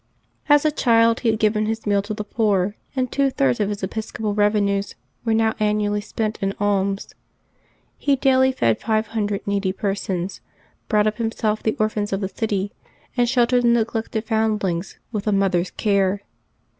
As a child he had given his meal to the poor, and two thirds of his episcopal revenues were now annually spent in alms. He daily fed five hundred needy persons, brought up himself the orphans of the city, and sheltered the neglected foundlings with a mother's care.